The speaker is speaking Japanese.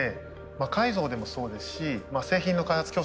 魔改造でもそうですし製品の開発